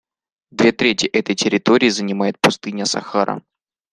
Две трети этой территории занимает пустыня Сахара.